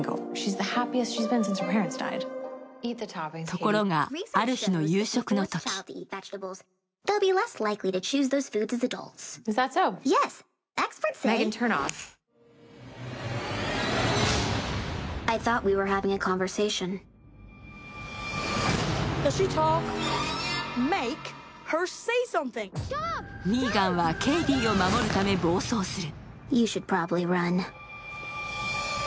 ところがある日の夕食のときミーガンはケイディを守るため暴走する。